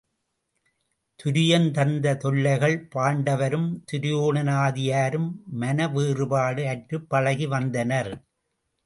துரியன் தந்த தொல்லைகள் பாண்ட வரும் துரியோனாதியரும் மனவேறுபாடு அற்றுப்பழகி வந்தனர்.